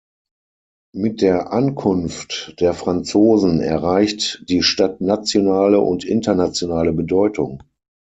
Mit der Ankunft der Franzosen erreicht die Stadt nationale und internationale Bedeutung.